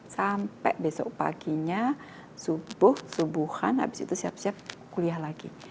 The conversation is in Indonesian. sampai besok paginya subuh subuhan habis itu siap siap kuliah lagi